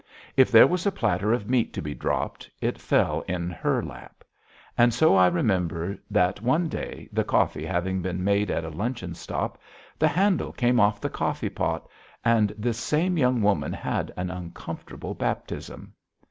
If there was a platter of meat to be dropped, it fell in her lap. And so I remember that one day, the coffee having been made at a luncheon stop, the handle came off the coffee pot and this same young woman had an uncomfortable baptism.